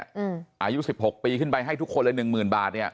อายุ๑๖ปีขึ้นไปให้ทุกคนเลยหนึ่งหมื่นบาทเนี่ย